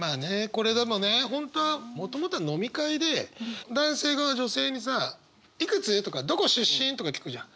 これでもね本当はもともとは飲み会で男性が女性にさ「いくつ？」とか「どこ出身？」とか聞くじゃん。